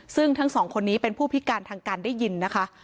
ซึ่งทั้งสองคนนี้เป็นผู้พิการทางการได้ยินนะคะ